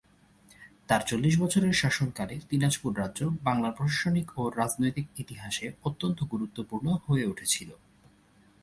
তাঁর চল্লিশ বছরের শাসনকালে দিনাজপুর রাজ্য বাংলার প্রশাসনিক ও রাজনৈতিক ইতিহাসে অত্যন্ত গুরুত্বপূর্ণ হয়ে উঠেছিল।